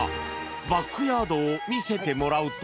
バックヤードを見せてもらうと。